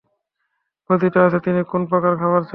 কথিত আছে, তিনি কোন প্রকার খাবার চাননি।